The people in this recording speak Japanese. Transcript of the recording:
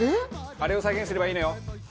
あれを再現すればいいのよ。